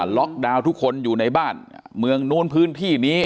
ล็อกดาวน์ทุกคนอยู่ในบ้านเมืองนู้นพื้นที่นี้